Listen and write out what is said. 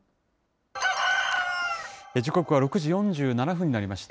時刻は６時４７分になりました。